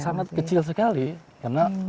sangat kecil sekali karena